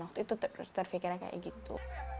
waktu itu terus terfikirnya kayak gitu